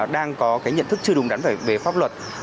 đang có cái nhận thức chưa đúng đắn về pháp luật